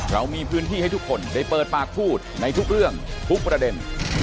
เรามีพื้นที่ให้ทุกคนได้เปิดปากพูดในทุกเรื่องทุกประเด็น